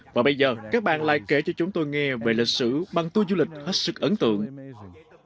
và bây giờ các bạn lại kể cho chúng tôi nghe về lịch sử bằng tuô du lịch hết sức ấn tượng